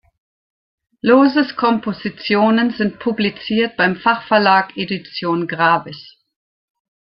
Lohses Kompositionen sind publiziert beim Fachverlag Edition Gravis.